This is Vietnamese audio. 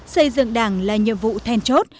xây dựng đảng là nhiệm vụ then chốt